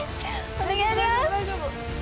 お願いします！